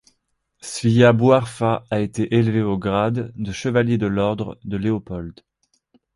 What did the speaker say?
Sfia Bouarfa a été élevée au grade de Chevalier de l'Ordre de Léopold.